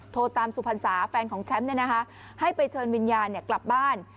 โทรตามสุพรรษาแฟนของแชมป์ให้ไปเชิญวิญญาณกลับบ้าน